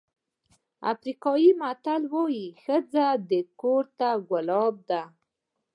افریقایي متل وایي ښځه کور ته ګلاب دی.